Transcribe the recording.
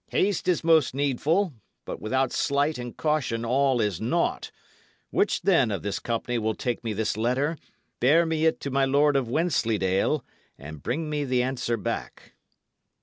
Haste is most needful; but without sleight and caution all is naught. Which, then, of this company will take me this letter, bear me it to my Lord of Wensleydale, and bring me the answer back?"